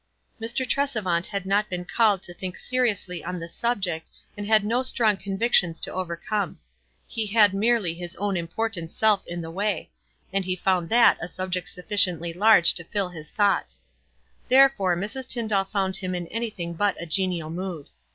Mr. Tresevant had not been called to think 46 WISE AND OTHERWISE. seriously on this subject, and had no strong con victions to overcome ; he had merely his own important self in the way, and he found that a subject sufficiently large to fill his thoughts. Therefore Mrs. Tyndall found him in anything but a genial mood.